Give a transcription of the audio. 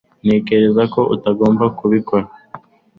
ntekereza ko utagomba kubikora